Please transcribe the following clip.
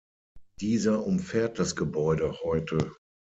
Dieser umfährt das Gebäude heute.